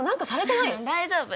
大丈夫。